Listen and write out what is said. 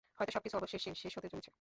হয়তো সবকিছু অবশেষে শেষ হতে চলেছে।